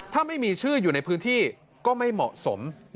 ถ้าไม่มีชื่ออยู่ในพื้นที่ก็ไม่เหมาะสม